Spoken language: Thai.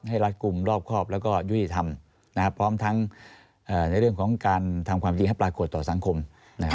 รัฐกลุ่มรอบครอบแล้วก็ยุติธรรมพร้อมทั้งในเรื่องของการทำความจริงให้ปรากฏต่อสังคม